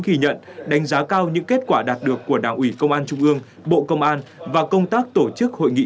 ghi nhận đánh giá cao những kết quả đạt được của đảng ủy công an trung ương bộ công an và công tác tổ chức hội nghị